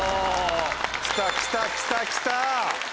きたきたきたきた！